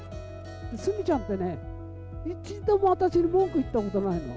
スミちゃんってね、一度も私に文句言ったことないの。